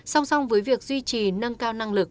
song song với việc duy trì nâng cao năng lực